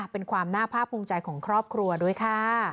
เป็นความน่าภาคภูมิใจของครอบครัวด้วยค่ะ